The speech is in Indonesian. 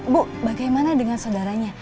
bu bagaimana dengan saudaranya